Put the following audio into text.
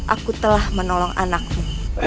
aku telah menolong anakmu